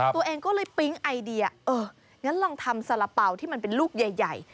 ตัวเองก็เลยปิ๊งไอเดียเอองั้นลองทำสาระเป๋าที่มันเป็นลูกใหญ่